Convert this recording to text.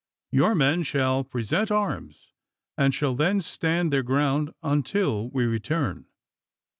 Your men shall present arms, and shall then stand their ground until we return.